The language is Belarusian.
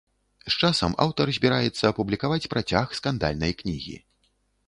З часам аўтар збіраецца апублікаваць працяг скандальнай кнігі.